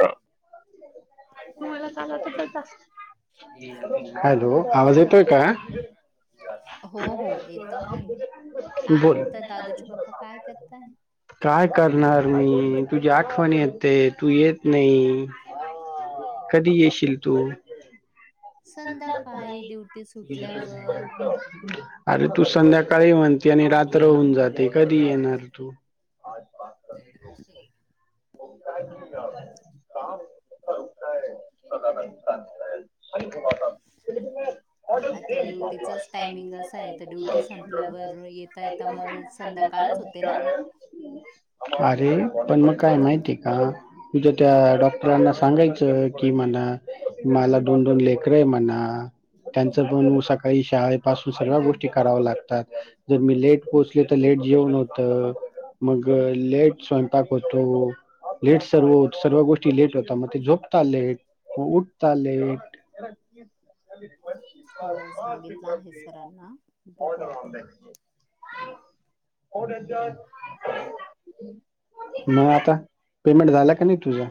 आ तुम्हाला चांग हो हो येत आहे काय म्हणतात दादूचे बाप्पा काय करताय काय करणार मी तुझी आठवण येते तू येत नाही ठीक कधी येशील तू अरे तू संध्याकाळी म्हणते आणि रात्र होऊन जाते कधी येणार तू जेंटस का होक्त आहे तुम्ही का तोर ब अ ामंग अरे पण मग काय माहितीय का तुझ्या त्या डॉक्टरांना सांगायचं कि मणा मला ून लेकर आहे म्हणा त्यांचं पण सकाळी शाळेपासून सगळ्या गोष्टी कराव्या लागतात जर मी लेट पोहोचल तर लेट जेऊन होत मग लेट स्वयंपाक होतो लेट सर्व उत्सव व गोष्टी लेट होता मग ते झोपता लेट उठता लेट हो सांगितलं आहे सरांना बघू आता [unintelligible] नाही आता पेमेंट झाला का नाही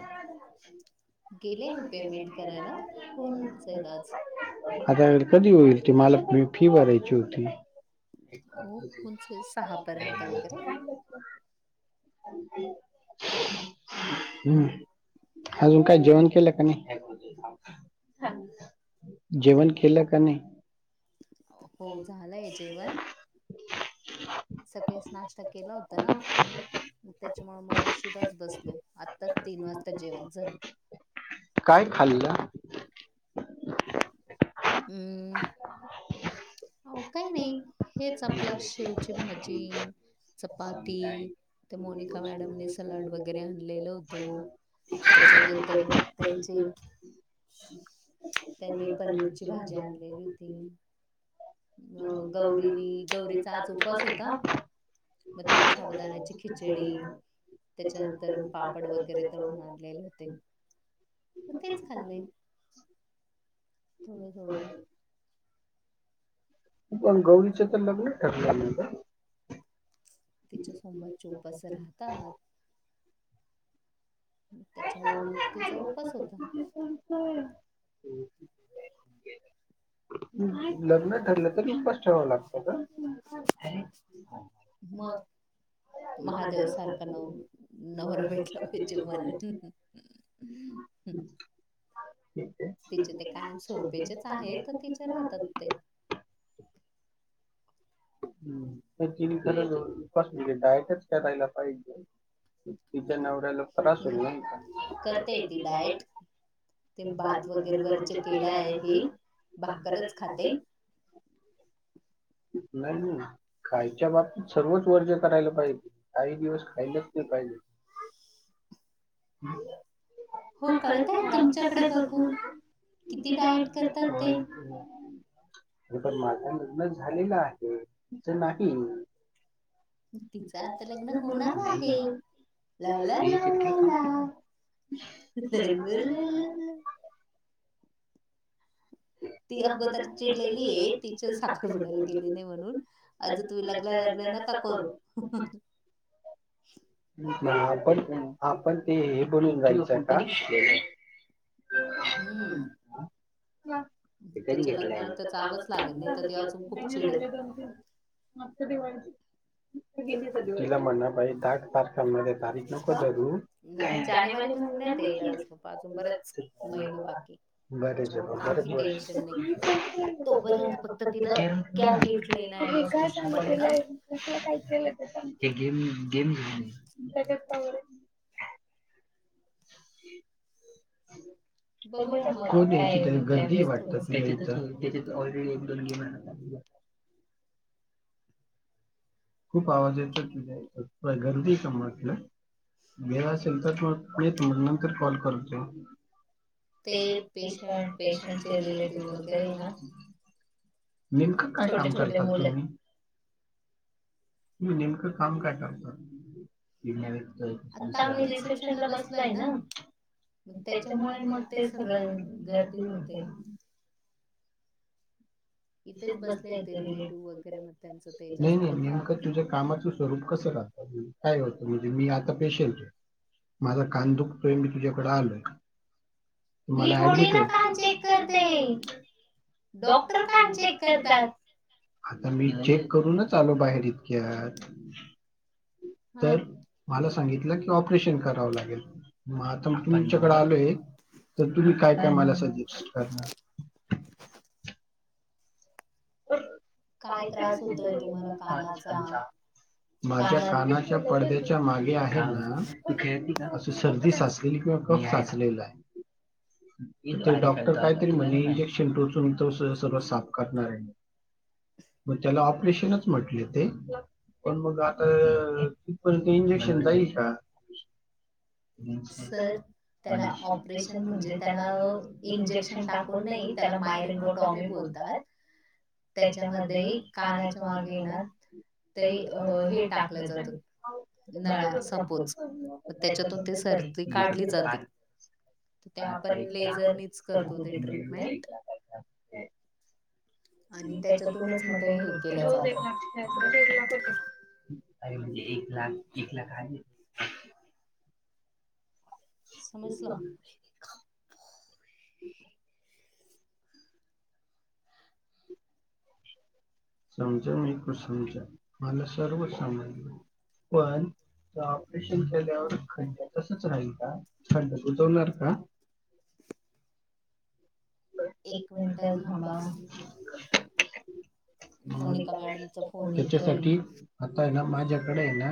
[unintelligible] होन जाईल आज आता कधी होईल ते मला फी भरायची होती हो उंच सहापर्यंत वगैरे [unintelligible] हम्म अजून काय जेवण केलं का नाही हो झालंय जेवण [unintelligible] सकाळीच नाश्ता केला होता ना त्यांच्यामुळे मग उशिराच बसलो आत्ताच तीन वाजता जेवण झालं काय खाल्ले हम्म [unintelligible] हो काही नाही हेच आपलं शेवची भाजी चपाती ते मोनिका मॅडमने सलाड वगैरे आणलेल होतं त्याच्यानंतर त्यांची त्यांनी पनीरची भाजी आणलेली होती. अ गौरीनी गौरीचा आज उपवास होता. मतीने साबूदाणा खिचडी त्यांच्यानंतर पापड वगैरे तळून आणलेले होते. त तेच खाल्लंय थोड थोड. पण गौरीच तर लग्न ठरल्यानंतर. तिच्या सोमवारच्या उपास राहतात. मग त्यांच्यामुळे मग तिचा उपास होता. त [unintelligible] लग्न ठरलं तरी उपास करवा लागत. मग. महादेव सारखा नव नवरा भेटला पाहिजे म्हण. [unintelligible] ठीक आहे तिचे ते काय स्वरूपेचेच आहे तर तिचे राहतात ते हम् तिपून घयच्याच कारायला पाहिजे. तिच्या नवऱ्याला त्रास होईल तिचा करते ती डायट. ते भात वगैरे गरज केलं आहे हे भाकरच खाते. नाही. खायच्या बाबतीत सर्वच वर्ज करायला पाहिजे काही दिवस खायलाच नाही पाहिजे. [unintelligible] कळते तुमच्याकडेच बघून. किती टाईतात ते. हे पण माझा निर्णय झालेला आहे तिच नाही. मग तिचं आता लग्न होणार आहे. [unintelligible] ती अगोतर चिडलेली आहे तिच्या साखर पुडायला गेली नाही म्हणून. अज तुही लगलाय लगल्या नका करू. आपण आपण ते हे बनून जायचं का हम्म. धी गे लाग [unintelligible] मगत दिवाळज. िला म्ह ना दाग तारख म तारीख नको जरू. जानेवारी महिन्यात [unintelligible] काही. र आहे फक्त तिला घय काय. काय केलं गम गेम घेऊ त्याच्या. कोण याची गर्दी वाटतात इ तर त्याच्यात ऑलरेडी एक दोन गेमात खूप आवाज येत ते गर्दीच म्हटलं घे असेल तर मग नाही त नंतर कॉल करतो ते पेशंट पेशंटचे रिलेटिड मुदही ना नेमकं काय काम करतात तुम्ही तुम्ही नेमकं काम काय करतात? आता आम्ही रिसेप्शन ला बसलोय ना. त्याच्यामुळे मग ते सगळ जत. नाही नाही नेमकं तुझ्या कामाचं स्वरूप कसं राहतात अजून. काय होतं म्हणजे मी आता पेशंट आहे माझा कान दुखतोय मी तुझ्याकडे आलोय त होडी ना का चेक करते डॉक्टर कान चेक करतातआता मी चेक मी चेक करून आलो बाहेर इतक्यात. हा मला सांगितलं की ऑपरेशन करावं लागेल मग आता तुमच्याकडे आलोय. तर तुम्ही काय काय मला सजेस्ट करणार. काय त्रास होतोय तुम्हाला कानाचा. माझ्या कानाच्या पडद्याच्या मागे आहे ना अस सर्दी स असते. सि्क वर कप साचलेला आहे. इथ डॉक्टर कायतरी म्हणणे इंजेक्शन टोचून तर सर्व साफ करणार आहे. मग त्याला ऑपरेशनच म्हटले ते. पण मग आता तिथपर्यंत इंजेक्शन जाईल का. [inaudible] साहेब. त्याला ऑपरेशन म्हणजे त्याला इंजेक्शन टाकून नाही त्याला मायरिंगो टॉमी बोलतात. त्याच्यामध्ये कानाच्या मागेना ते अ हे टाकले जातात. नळा सपोज म त्याच्यातून ते सर्दी काढली जाते. तर त्या आपण लेझरनेच करतो ते ट्रीटमेंट. आणि त्याच्यातूनच मग काही रट केला होता. म्हणजे एक लाख एक लाख आहे. समजलं. समज मी खू समजा मला सर्व समजलं पण. ऑपरेशन झाल्यावर खंड तसच राहील का खंड बुजवणार का. एक मिंनट थांबा. म त्याच्यासाठी आता आहे ना माझ्याकडे हे ना.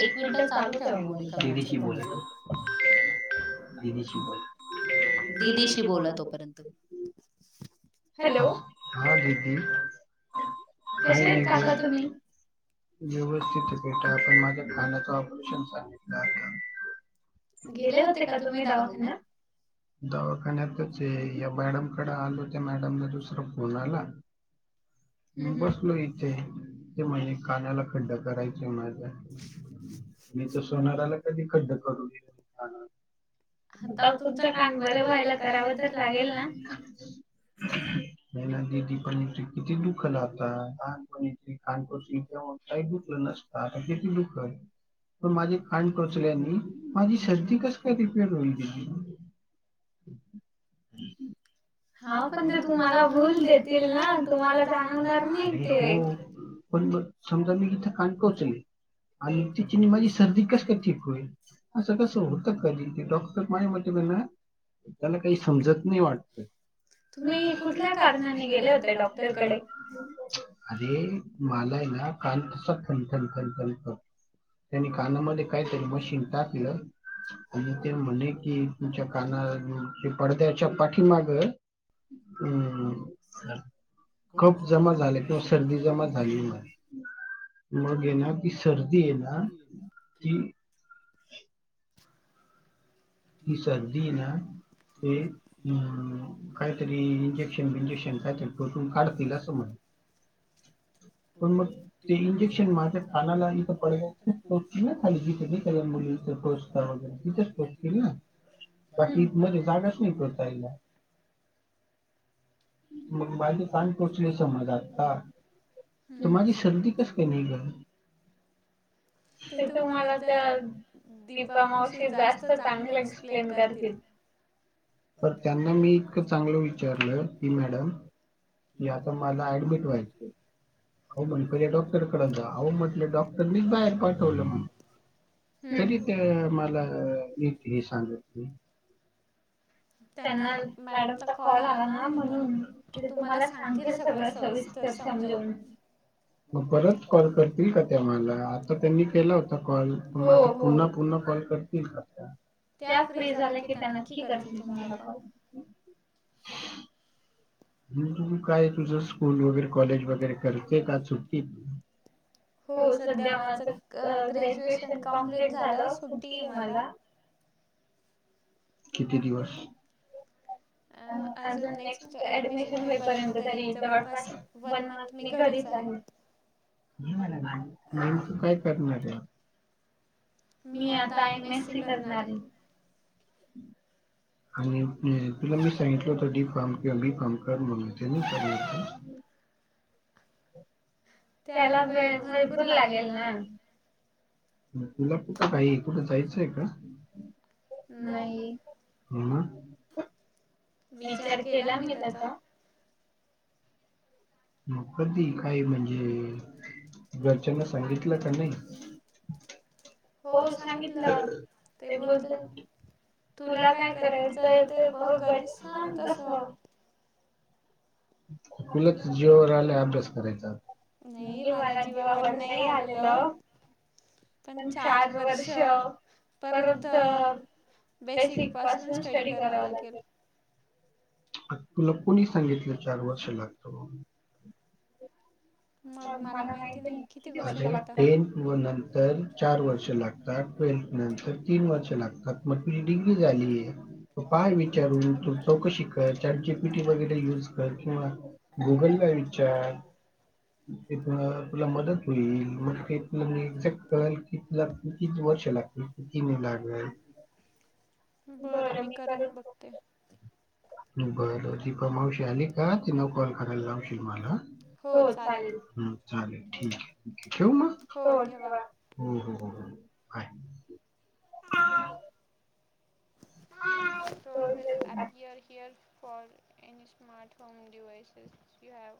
एक मिनिटं चालू ठेवा फोन दीदी शी बोलत आहे. दीदी शी बोल. दिदीशी बोला तोपर्यंत. हॅलो हा दीदी कशे आहे काका तुम्ही व्यवस्थित आहे बेटा आपण माझ्या कानात. गेले होते का तुम्ही दवाखान्यात. दवाखान्यातच आहे या बाॅडमकडे आलो. मॅडमला दुसरा फोन आला. मी बसलो इथे ते म्हणजे काण्याला खड्डा करायचे माझ्या. मी तर सोनार आला कधी खड्ड करून दिकाना ता तुमचं कान बरं व्हायला करावं तरच लागेल ना. मला ददीीपण. किती दुख लाहतात लहानपणी काणपो त्या काही दुखलं नसत आता किती दुखल. पण माझी खाण टोचल्यानी माझी शर्ती कशी प्र तिकडेली. हम् हम्म हा पण ते तुम्हाला भूल देतील ना तुम्हाला जाणवणार नाही पण समजा मी तिथे काणकोच आहे. आणि तचीिनी माझी सर्दी कस का ठीक होईल असं कसं होतं का डॉक् माझ म्हते ना त्याला काही समजत नाही वाटतय. तुम्ही कुठल्या कारणाने गेले होते डॉक् अरे मलायला काल तसा थणथण खख कर. त्यांनी कानामध्ये काय तरी मशीन टाकलं. आणिे ते म्हणले कि तुमच्या काना पडद्याच्या पाठीमाग हम् खप जमा झाले किवा सर्दी जमा झाली. मग ये ना की सर्दी आहे ना. ते ती ती सर्दीय ना ते अ -काहीतरी इंजेक्शन बिंजेक्शन काय त [unintelligible] काढतील असं म्हणे. पण मग ते इंजेक्शन माझ्या कानाला, इथं पड [unintelligible] खाली जिथे जिथे त्या मुलीच पुरस्कार वगैरे तिथेच [unintelligible] बाकी मध्ये जागाच नाही करता येला. मग माझे कान टोचले समज आता तर माझी सर्दी कस काय नाही गळत? तर तुम्हाला त्या दीपामावशी जास्त चांगल एक्सप्लेन करतील. तर त्यांना मी इतकं चांगलं विचारलं, की मॅडम की आता मला ऍडमिट व्हायचं आओ म्हटलं पहिले डॉक्टर कडून जां, आओ म्हटलं डॉक्टर [unintelligible] बाहेर तरी तर मला मी हे सांगत मी त्यांना मॅडमचा कॉल आला ना म्हणून, ते तुम्हाला सांगतील सगळ सविस तर समजवून. मग परत कॉल करतील का त्या मला, आता त्यांनी केला होता कॉल पुन्हा पुन्हा कॉल त्या फ्री झाल्या की त्या नक्की करतील तुम्हाला कॉल. तु काय तुझं स्कूल वगैरे कॉलेज वगैरे करते का सुुटी हो सध्या माझं ग्रॅज्युएशन कंप्लीट झालं, सुट्टीय मला. किती दिवस? अ -अजून नेक्स्ट ऍडमिशन होईपर्यंत तरी, जवळपास वन मंथ मी घरीच आहे. [unintelligible] काय करणाराय? मी आता एम एस सी करणारय. आणि तुला मी सांगितलं होत डी फार्म किंवा बी फार्म कर म्हणून [unintelligible] त्याला वेळ भरपूर लागेल ना. तुला कुठं काही, कुठं जायचं आहे का? नाही. मग? विचार केला मी त्याचा. मग कधी काय म्हणजे, घरच्यांना सांगितलं का नाही? हो सांगितलं. ते बोलतील तुला काय करायचंय ते बघ आणि सांग तस. तुलाच जीवावर आलाय अभ्यास करायचा. नई मला जीवावर नाही आलेल. पण चार वर्ष, परत बेसिक पासून स्टडी करावं लागल. तुला कोणी सांगितलं चार वर्ष लागत म्हणुन? [unintelligible] अ -टेन व नंतर चार वर्ष लागते. ट्वेल्थ नंतर तीन वर्ष लागतात. मग तुझी डिग्री झालीय म पाह विचारून तू चौकशी कर चाट जी पी टी वगैरे युज कर किंवा गुगल ला विचार. ते तुला मदत होईल. मग का तुला मी एक्झॅक्ट कळेल की किती वर्ष लागतील. [unintelligible] बरं मी करून बघते. बरं दीपा मावशी आली का, तिला कॉल करायला लावशील मला. होच चालेल. हम्म चालेल ठीक आहे ठीकय. ठेऊ मग? हो हो हो हो. [unintelligible] Appear here fall N smart [unintelligible] you have